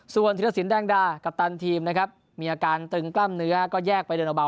ส่วนธิรสินแดงดากัปตันทีมนะครับมีอาการตึงกล้ามเนื้อก็แยกไปเดินเบา